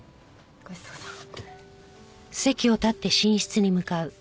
ごちそうさま。